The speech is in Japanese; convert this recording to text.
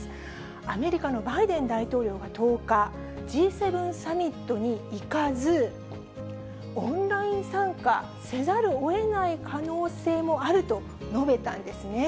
アメリカのバイデン大統領が１０日、Ｇ７サミットに行かず、オンライン参加せざるをえない可能性もあると述べたんですね。